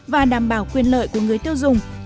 và đảm bảo quyền lợi của người tiêu dùng